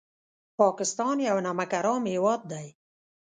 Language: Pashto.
پاکستان یو نمک حرام هېواد دی